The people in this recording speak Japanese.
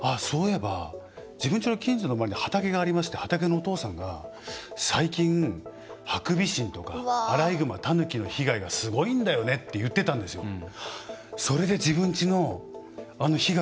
そういえば、自分の家の近所に畑がありまして畑のお父さんが最近、ハクビシンとかアライグマ、タヌキの被害がすごいんだよねって言ってたんですよ。